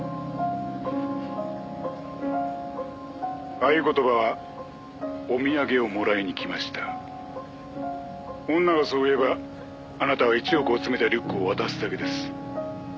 「合言葉は“お土産をもらいに来ました”」「女がそう言えばあなたは１億を詰めたリュックを渡すだけです」